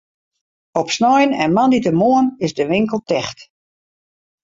Op snein en moandeitemoarn is de winkel ticht.